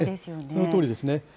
そのとおりですね。